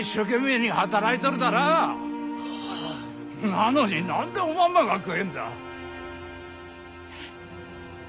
なのに何でおまんまが食えんだら？